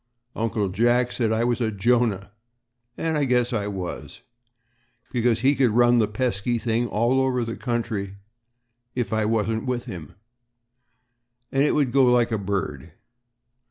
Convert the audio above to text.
Uncle Jack said I was a Jonah and I guess I was, because he could run the pesky thing all over the country if I wasn't with him, and it would go like a bird.